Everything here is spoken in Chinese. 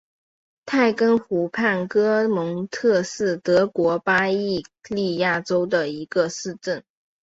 泰根湖畔格蒙特是德国巴伐利亚州的一个市镇。